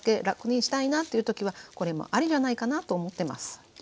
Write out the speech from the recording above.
楽にしたいなという時はこれもありじゃないかなと思ってます。